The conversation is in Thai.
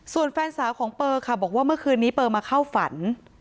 ส่วนแฟนสาวของเปอร์ค่ะบอกว่าเมื่อคืนนี้เปอร์มาเข้าฝัน